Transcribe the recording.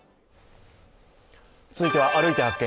続いては「歩いて発見！